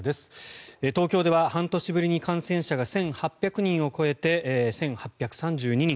東京では半年ぶりに感染者が１８００人を超えて１８３２人。